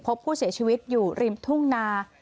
พบผู้เสียชีวิตอยู่ริมทุ่งนา